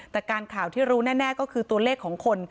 แต่การข่าวที่รู้แน่ก็คือตัวเลขของคน